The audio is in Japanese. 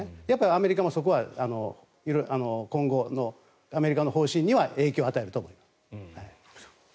アメリカもそこは色々今後のアメリカの方針には影響を与えると思います。